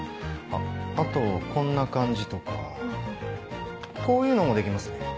あっあとこんな感じとかこういうのもできますね。